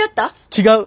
違う！